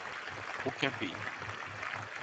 Aucun pays.